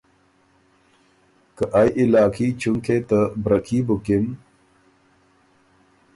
که ائ علاقي چونکې ته برکي بُکِن